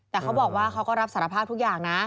แต่เขาบอกว่าเขาก็รับสารภาพทุกอย่างนะ